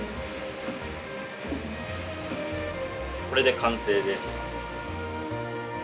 これで完成です。